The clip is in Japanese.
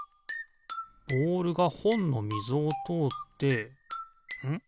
ボールがほんのみぞをとおってんっ？